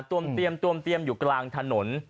ต้วมเตรียมต้วมเตรียมอยู่กลางถนน